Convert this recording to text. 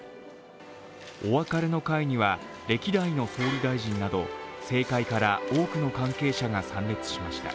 お別れの会には、歴代の総理大臣など政界から多くの関係者が参列しました。